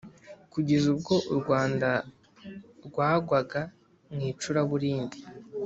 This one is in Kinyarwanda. kugeza ubwo u Rwanda rwagwaga mu icuraburindi